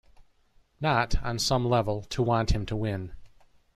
Not, on some level, to want him to win.